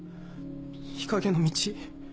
日陰の道。